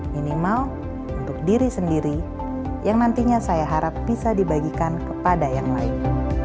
minimal untuk diri sendiri yang nantinya saya harap bisa dibagikan kepada yang lain